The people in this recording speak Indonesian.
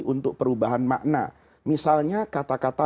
untuk perubahan makna misalnya kata kata